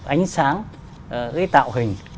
ánh sáng cái tạo hình